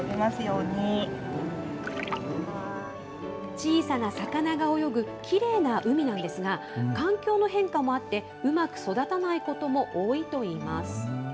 小さな魚が泳ぐ、きれいな海なんですが、環境の変化もあって、うまく育たないことも多いといいます。